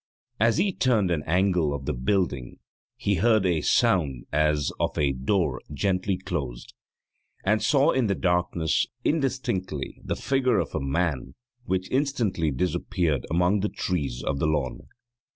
As he turned an angle of the building, he heard a sound as of a door gently closed, and saw in the darkness, indistinctly, the figure of a man, which instantly disappeared among the trees of the lawn.